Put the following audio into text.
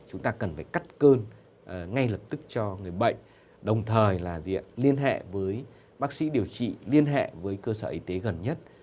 chúng ta cần phải cắt cơn ngay lập tức cho người bệnh đồng thời là liên hệ với bác sĩ điều trị liên hệ với cơ sở y tế gần nhất